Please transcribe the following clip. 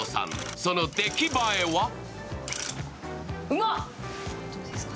その出来栄えはうまっ！